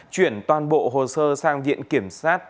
chuyển toàn bộ hồ sơ sang viện kiểm sát